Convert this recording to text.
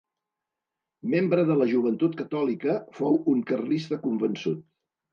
Membre de la Joventut Catòlica, fou un carlista convençut.